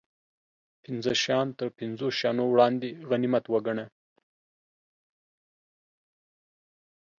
پنځه شیان تر پنځو شیانو وړاندې غنیمت و ګڼه